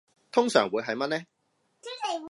通常會係乜呢